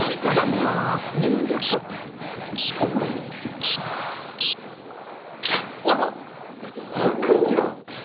開くんだ！